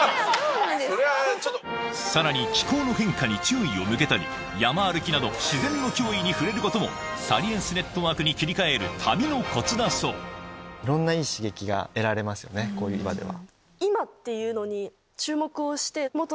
さらに気候の変化に注意を向けたり山歩きなど自然の脅威に触れることもサリエンスネットワークに切り替える旅のコツだそうこういう場では。